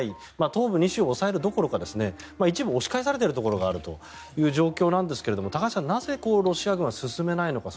東部２州を押さえるどころか一部押し返されているところがあるという状況なんですが高橋さん、なぜロシア軍は進めないのか。